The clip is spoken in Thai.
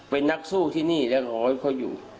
เป็นนักสู้ที่นี่และรอให้เขาอยู่